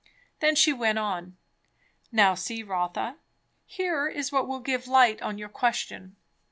Then she went on "Now see, Rotha; here is what will give light on your question.